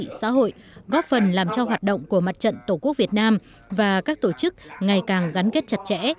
xã hội góp phần làm cho hoạt động của mặt trận tổ quốc việt nam và các tổ chức ngày càng gắn kết chặt chẽ